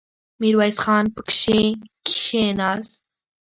ميرويس خان پکې کېناست.